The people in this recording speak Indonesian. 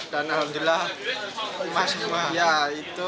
dan alhamdulillah emas